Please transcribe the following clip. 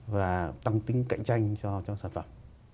và tăng tính cạnh tranh cho sản phẩm